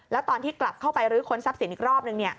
แล้วตอนที่กลับเข้าไปรื้อค้นทรัพย์สินอีกรอบนึง